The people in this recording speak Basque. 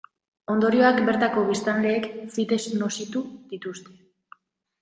Ondorioak bertako biztanleek fite nozitu dituzte.